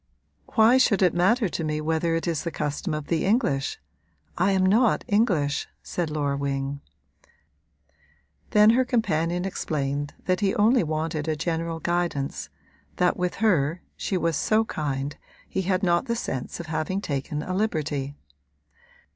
'Why should it matter to me whether it is the custom of the English? I am not English,' said Laura Wing. Then her companion explained that he only wanted a general guidance that with her (she was so kind) he had not the sense of having taken a liberty.